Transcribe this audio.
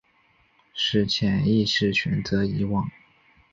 是潜意识选择遗忘